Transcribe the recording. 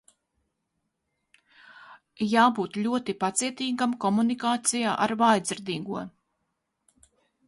J?b?t ?oti paciet?gam komunik?cij? ar v?jdzird?go.